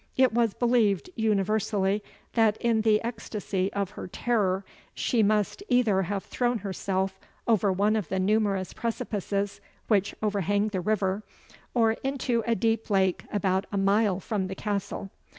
It was believed universally, that, in the ecstasy of her terror, she must either have thrown herself over one of the numerous precipices which overhang the river, or into a deep lake about a mile from the castle.